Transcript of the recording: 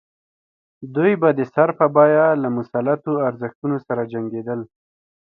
دوی به د سر په بیه له مسلطو ارزښتونو سره جنګېدل.